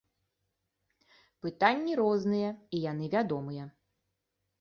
Пытанні розныя і яны вядомыя.